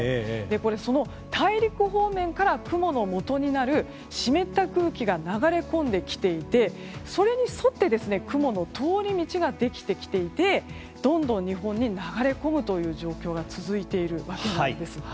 その大陸方面から雲のもとになる湿った空気が流れ込んできていてそれに沿って雲の通り道ができてきていてどんどん日本に流れ込むという状況が続いているわけなんです。